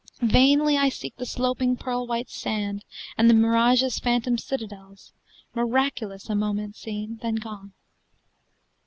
Vainly I seek the sloping pearl white sand And the mirage's phantom citadels Miraculous, a moment seen, then gone.